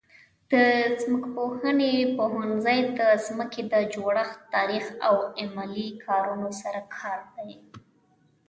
د ځمکپوهنې پوهنځی د ځمکې د جوړښت، تاریخ او عملي کارونو سره سروکار لري.